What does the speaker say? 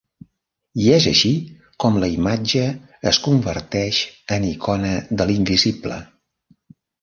I és així com la imatge es converteix en icona de l'invisible.